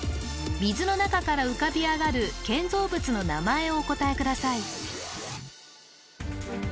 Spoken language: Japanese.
水の中から浮かび上がる建造物の名前をお答えください